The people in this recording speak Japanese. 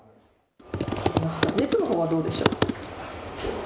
熱のほうはどうでしょうか。